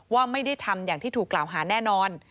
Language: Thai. ว่าไม่ได้ทำอย่างที่ถูกกล่าวหาแน่นอน